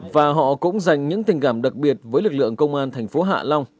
và họ cũng dành những tình cảm đặc biệt với lực lượng công an thành phố hạ long